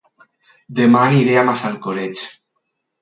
Dema aniré a Massalcoreig